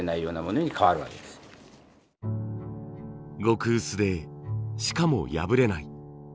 極薄でしかも破れない。